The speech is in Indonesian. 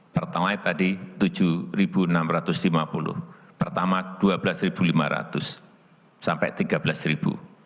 pertalite tadi rp tujuh enam ratus lima puluh pertama rp dua belas lima ratus sampai rp tiga belas